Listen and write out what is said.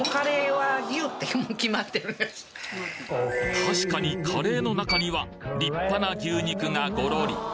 確かにカレーの中には立派な牛肉がゴロリ